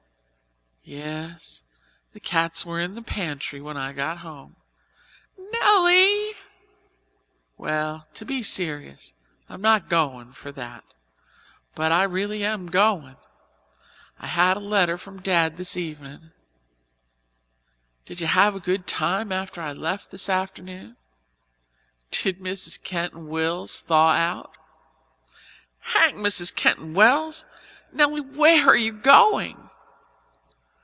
"Yes. The cats were in the pantry when I got home." "Nelly!" "Well, to be serious. I'm not goin' for that, but I really am goin'. I had a letter from Dad this evenin'. Did you have a good time after I left this afternoon? Did Mrs. Keyton Wells thaw out?" "Hang Mrs. Keyton Wells! Nelly, where are you going?"